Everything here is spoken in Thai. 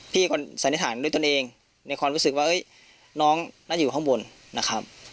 พี่ก็สัญญาณด้วยตัวเองในความรู้สึกว่าเอ๊ยน้องน่าอยู่ข้างบนนะครับ